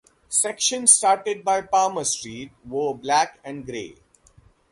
Sections started by Palmer street wore black and gray.